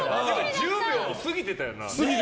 １０秒過ぎてたよな。